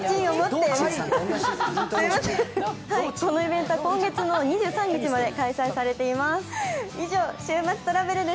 このイベントは今月の２３日まで開催されています。